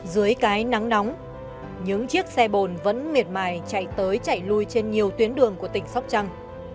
dưới cái nắng nóng những chiếc xe bồn vẫn miệt mài chạy tới chạy lui trên nhiều tuyến đường của tỉnh sóc trăng